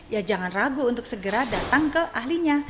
ya jangan ragu untuk segera datang ke ahlinya